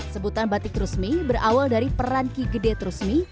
sebutan batik rusmi berawal dari peranki gede trusmi